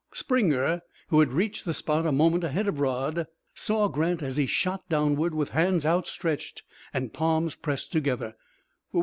Springer, who had reached the spot a moment ahead of Rod, saw Grant as he shot downward with hands outstretched and palms pressed together.